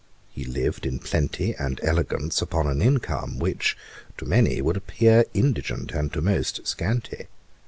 He lived in plenty and elegance upon an income which, to many would appear indigent, and to most, scanty.